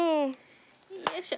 よいしょ。